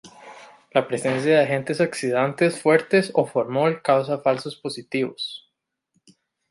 La presencia de agentes oxidantes fuertes o formol causa falsos positivos.